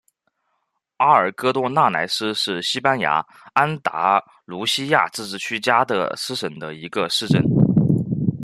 阿尔戈多纳莱斯是西班牙安达卢西亚自治区加的斯省的一个市镇。